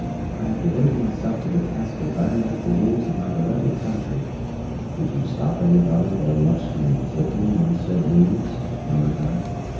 "I hev devoted myself to the task uv bindin up the wounds uv my beloved country " "Did you stop anybody very much from inflictin them sed wounds?" murmured I.